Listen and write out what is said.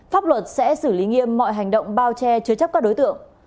pháp luật sẽ xử lý nghiêm mọi hành động bao che chứa chấp các đối tượng